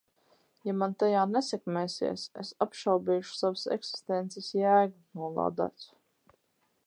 Ja man tajā nesekmēsies, es apšaubīšu savas eksistences jēgu, nolādēts!